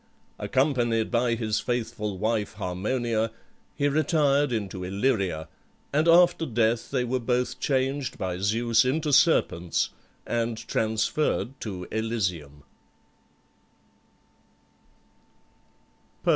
Accompanied by his faithful wife Harmonia, he retired into Illyria, and after death they were both changed by Zeus into serpents, and transferred to Elysium.